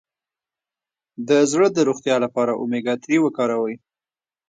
د زړه د روغتیا لپاره اومیګا تري وکاروئ